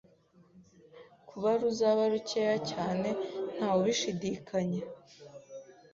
kuba ruzaba rucyeya cyane nta wubishidikanya.